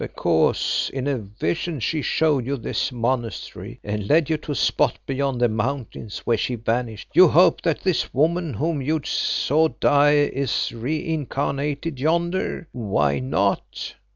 "Because in a vision she showed you this monastery, and led you to a spot beyond the mountains where she vanished, you hope that this woman whom you saw die is re incarnated yonder. Why not?